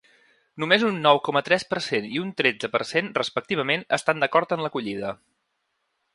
Només un nou coma tres per cent i un tretze per cent respectivament estan d’acord en l’acollida.